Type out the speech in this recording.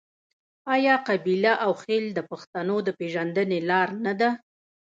آیا قبیله او خیل د پښتنو د پیژندنې لار نه ده؟